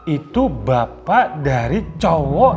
itu bapak dari cowok